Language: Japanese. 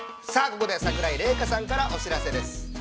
ここで桜井玲香さんからお知らせです。